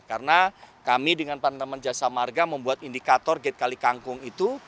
karena kami dengan pandeman jasa marga membuat indikator gate kali kangkung itu